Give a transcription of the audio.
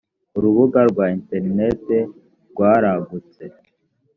urubuga rwa interineti rwaragutse.